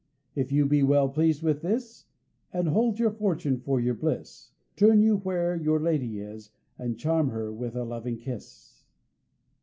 If you be well pleased with this, And hold your fortune for your bliss, Turn you where your lady is And claim her with a loving kiss."